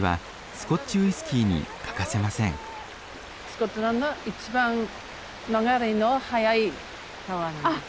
スコットランド一番流れの速い川なんです。